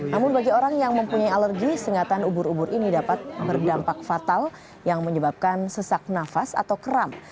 namun bagi orang yang mempunyai alergi sengatan ubur ubur ini dapat berdampak fatal yang menyebabkan sesak nafas atau kram